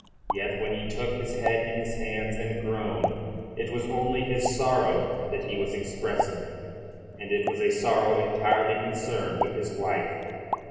Yet when he took his head in his hands and groaned, it was only his sorrow that he was expressing, and it was a sorrow entirely concerned with his wife.